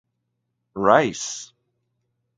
Rice.